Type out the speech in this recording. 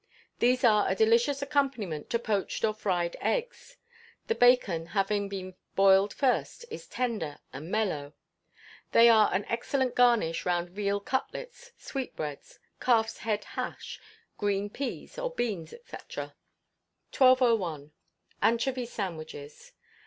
These are a delicious accompaniment to poached or fried eggs: the bacon, having been boiled first, is tender and mellow. They are an excellent garnish round veal cutlets, sweetbreads, calf's head hash, green peas, or beans, &c. 1201. Anchovy Sandwiches.